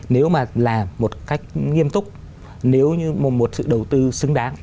nếu mà làm một cách nghiêm túc nếu như một sự đầu tư xứng đáng